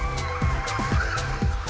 ayo kita jalan dulu